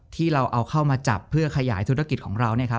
ที่เราเอาเข้ามาจับเพื่อขยายธุรกิจของเรา